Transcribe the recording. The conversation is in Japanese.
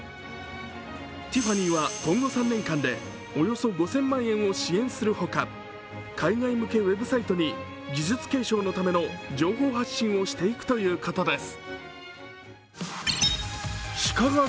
ティファニーは今後３年間でおよそ５０００万円を支援するほか、海外向けウェブサイトに技術継承のための情報発信をしていくということです。